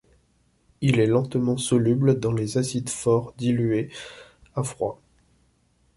Il est lentement soluble dans les acides forts diluées, à froid.